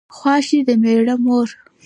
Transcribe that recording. خواښې د مېړه مور